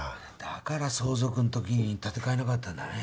だから相続んときに建て替えなかったんだね。